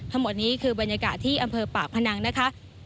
ทั้งหมดนี้คือบรรยากาศที่อำเภอปากพนังนะคะ